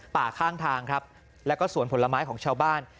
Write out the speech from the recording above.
ข้างทางครับแล้วก็สวนผลไม้ของชาวบ้าน